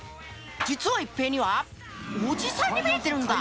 実は一平にはおじさんに見えてるんだ。